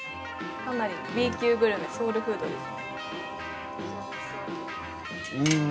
かなりＢ級グルメ、ソウルフードです。